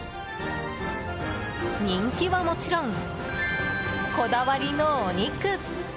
人気はもちろん、こだわりのお肉。